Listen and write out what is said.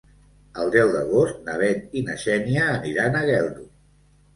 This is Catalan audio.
El deu d'agost na Bet i na Xènia aniran a Geldo.